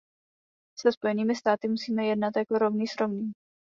Se Spojenými státy musíme jednat jako rovný s rovným.